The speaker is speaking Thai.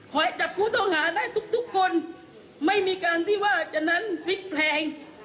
ขอให้จัดพูดต้องหาได้ทุกคนไม่มีการที่ว่าจะนั้นพลิกแพง